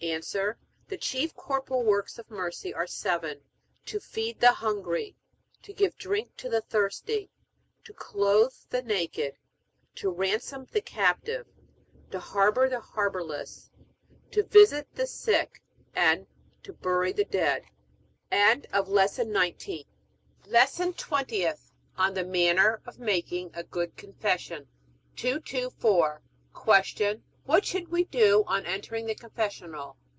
A. The chief corporal works of mercy are seven: To feed the hungry, to give drink to the thirsty, to clothe the naked, to ransom the captive, to harbor the harborless, to visit the sick, and to bury the dead. LESSON TWENTIETH ON THE MANNER OF MAKING A GOOD CONFESSION 224. Q. What should we do on entering the confessional?